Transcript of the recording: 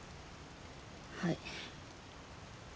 はい。